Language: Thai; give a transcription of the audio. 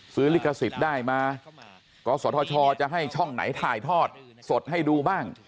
ลิขสิทธิ์ได้มากศธชจะให้ช่องไหนถ่ายทอดสดให้ดูบ้าง